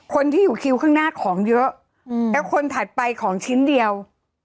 คุณมาของเยอะแต่คนถัดไปของชิ้นเดียว